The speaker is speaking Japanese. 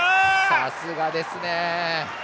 さすがですね！